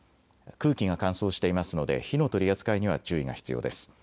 空気が乾燥していますので火の取り扱いには注意が必要です。